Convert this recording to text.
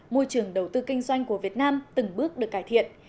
môi trường đầu tư kinh doanh của việt nam từng bước được cải thiện